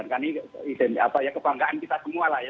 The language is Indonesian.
dan ini kebanggaan kita semua lah ya